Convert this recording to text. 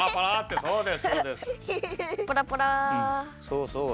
そうそう。